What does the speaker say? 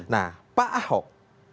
nah pak ahok